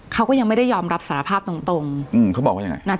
เขาก็ยังไม่ได้ยอมรับสารภาพตรงตรงอืมเขาบอกว่ายังไง